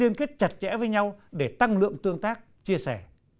liên kết chặt chẽ với nhau để tăng lượng tương tác chia sẻ